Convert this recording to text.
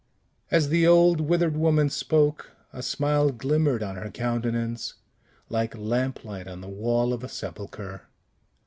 As the old withered woman spoke, a smile glimmered on her countenance, like lamplight on the wall of a sepulchre.